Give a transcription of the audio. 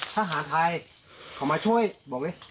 ถ้าหาไทยเขามาช่วยบอกเลย